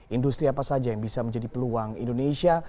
industri apa saja yang bisa menjadi peluang indonesia